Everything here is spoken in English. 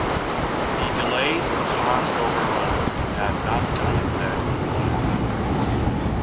The delays and cost overruns have had knock-on effects in other countries.